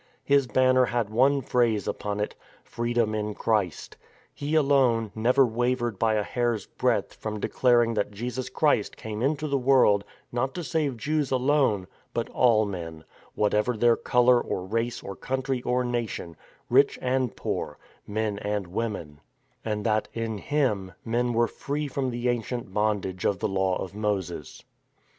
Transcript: His banner had one phrase upon it, " Freedom in Christ." He alone never wavered by a hair's breadth from declaring that Jesus Christ came into the world not to save Jews alone, but all men, whatever their colour or race or country or nation, rich and poor, men and women; 158 THE FORWARD TREAD and that, in Him, men were free from the ancient bondage of the Law of Moses.